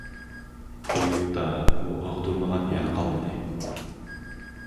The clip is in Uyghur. بۇ يۇرتتا ئۇ ئاغدۇرمىغان يەر قالمىدى.